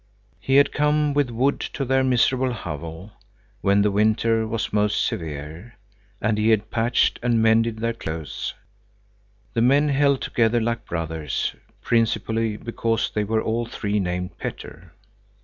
He had come with wood to their miserable hovel, when the winter was most severe, and he had patched and mended their clothes. The men held together like brothers, principally because they were all three named Petter.